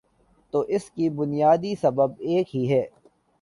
تو اس کا بنیادی سبب ایک ہی ہے۔